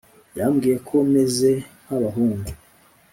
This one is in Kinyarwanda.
yambwiye ko meze nk’abahungu,